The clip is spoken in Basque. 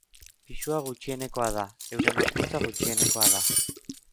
Pisua gutxienekoa da, euren gorputza gutxienekoa da.